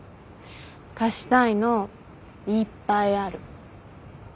貸したいのいっぱいある。